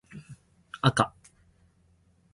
あか